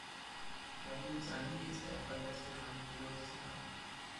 Jalil Zandi ist der erfolgreichste Kampfpilot des Iran.